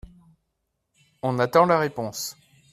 On attend la réponse